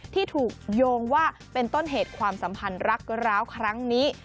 ที่ถูกโยงว่าเป็นต้นเหตุความสัมพันธ์รักร้าวครั้งนี้